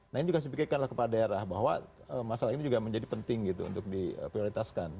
nah ini juga harus dipikirkan kepada daerah bahwa masalah ini juga menjadi penting untuk diprioritaskan